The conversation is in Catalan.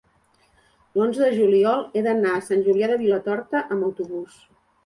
l'onze de juliol he d'anar a Sant Julià de Vilatorta amb autobús.